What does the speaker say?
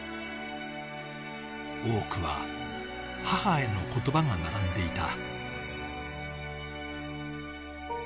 多くは母への言葉が並んでいた。